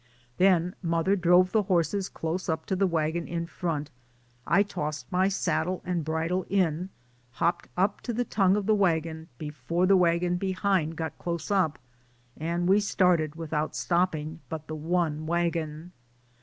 Then mother drove the horses close up DAYS ON THE ROAD. 149 to the wagon in front I tossed my saddle and bridle in, hopped up on the tongue of the wagon before the wagon behind got close up, and we started without stopping but the one wagon.